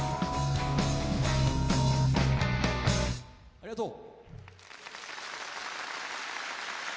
ありがとう！